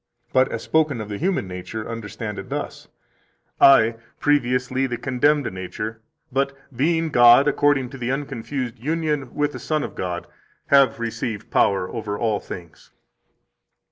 But as spoken of the human nature, understand it thus: I, preciously the condemned nature, but being God according to the unconfused union with the Son of God, have received power over all things."